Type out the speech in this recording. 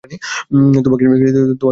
তোমাকে ছেড়ে দিয়েছে?